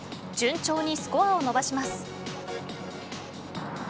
順調にスコアを伸ばします。